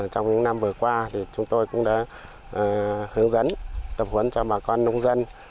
trong những năm vừa qua chúng tôi cũng đã hướng dẫn tập huấn cho bà con nông dân